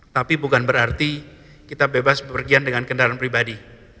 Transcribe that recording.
tapi bukan berarti kita bebas berpergian dengan kendaraan pribadi